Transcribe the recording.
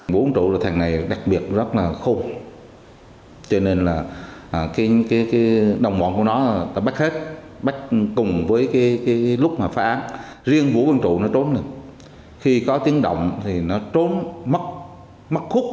vì có tiếng động thì nó trốn mất khúc